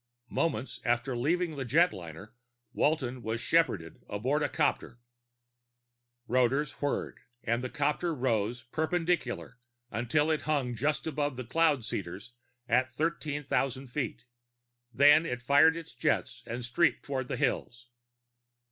Moments after leaving the jetliner, Walton was shepherded aboard the 'copter. Rotors whirred; the 'copter rose perpendicularly until it hung just above the cloud seeders at 13,000 feet, then fired its jets and streaked toward the hills.